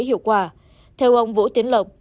hiệu quả theo ông vũ tiến lộng